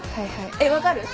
えっ分かる？